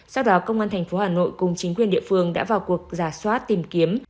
sau đó công an thành phố hà nội cùng chính quyền địa phương đã vào cuộc giả soát tìm kiếm